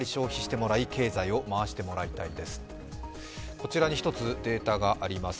こちらに１つ、データがあります。